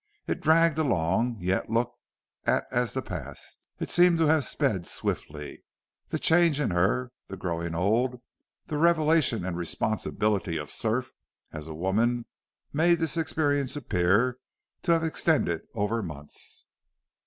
It dragged along, yet looked at as the past, it seemed to have sped swiftly. The change in her, the growing old, the revelation and responsibility of serf, as a woman, made this experience appear to have extended over months.